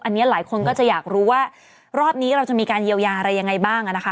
อันนี้หลายคนก็จะอยากรู้ว่ารอบนี้เราจะมีการเยียวยาอะไรยังไงบ้างนะคะ